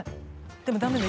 でもダメね。